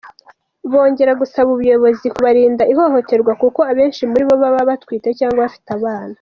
Bongera gusaba ubuyobozi kubarinda ihohohoterwa kuko abenshi muri bo baba batwite cyangwa bafite abana.